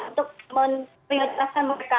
untuk memprioritaskan mereka